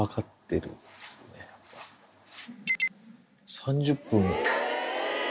３０分も。